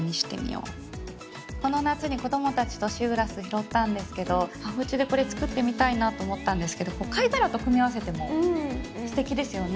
この夏に子供たちとシーグラス拾ったんですけどおうちでこれ作ってみたいなと思ったんですけどこう貝殻と組み合わせてもすてきですよねきっと。